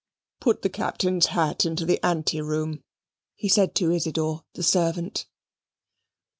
"Put the Captain's hat into the ante room," he said to Isidor, the servant.